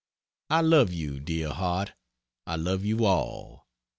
I love you, dear heart, I love you all.